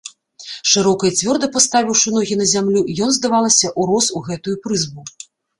Шырока і цвёрда паставіўшы ногі на зямлю, ён, здавалася, урос у гэтую прызбу.